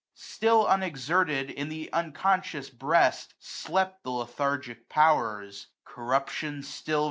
Still unexerted, in th' unconscious breast. Slept the lethargic powers ; corruption still.